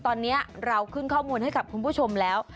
ตอนนี้เราขึ้นข้อมูลให้กับคุณผู้ชมแล้ว